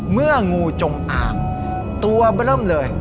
เมื่องูจงอ่างตัวเบิร์มเลย